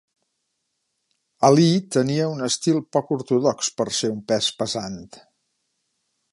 Ali tenia un estil poc ortodox per ser un pes pesant.